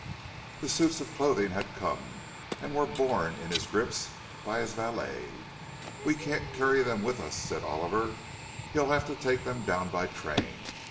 The suits of clothing had come, and were borne in his grips by his valet. "We can't carry them with us," said Oliver. "He'll have to take them down by train."